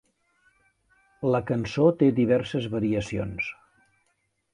La cançó té diverses variacions.